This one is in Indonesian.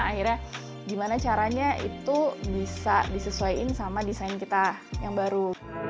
akhirnya gimana caranya itu bisa disesuaikan sama desain kita yang baru